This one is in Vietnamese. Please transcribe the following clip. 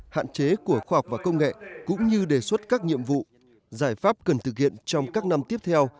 hạn chế của khoa học và công nghệ cũng như đề xuất các nhiệm vụ giải pháp cần thực hiện trong các năm tiếp theo